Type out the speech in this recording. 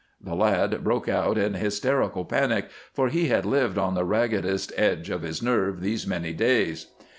The lad broke out in hysterical panic, for he had lived on the raggedest edge of his nerve these many days.